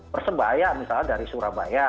persebayaan misalnya dari surabaya